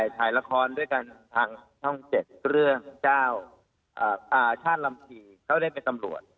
ถ่ายละครด้วยกันทางช่อง๗เรื่องเจ้าชาติลำพีเขาได้เป็นตำรวจ